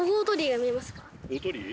大鳥居？